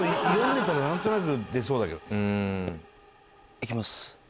「いきます」